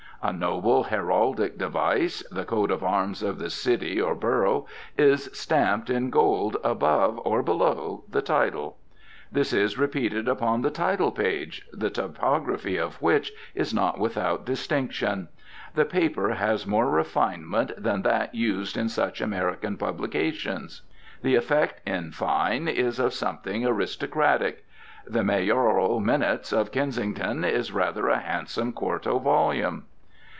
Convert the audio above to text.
A noble heraldic device, the coat of arms of the city or borough, is stamped in gold above, or below, the title. This is repeated upon the title page, the typography of which is not without distinction. The paper has more refinement than that used in such American publications. The effect, in fine, is of something aristocratic. The "Mayoral Minutes" of Kensington is rather a handsome quarto volume.